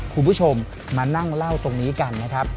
คุณผู้ชมมานั่งเล่าตรงนี้กันนะครับ